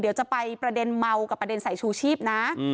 เดี๋ยวจะไปประเด็นเมากับประเด็นใส่ชูชีพนะ